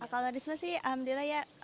kalau risma sih alhamdulillah ya